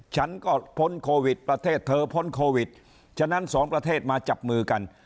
ฉันก็พ้นโควิดประเทศเธอพ้นโควิดฉะนั้นสองประเทศมาจับมือกัน